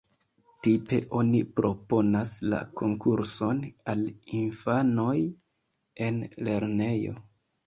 Tipe oni proponas la konkurson al infanoj en lernejo.